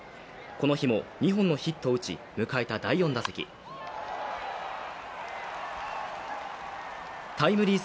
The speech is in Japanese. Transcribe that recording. この日も２本のヒットを打ち迎えた第４打席タイムリー